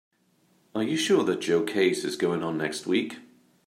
Are you sure that Joe case is going on next week?